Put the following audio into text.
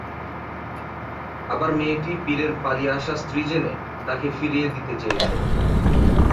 আবার মেয়েটি পীরের পালিয়ে আসা স্ত্রী জেনে তাকে ফিরিয়ে দিতে চেয়েছেন।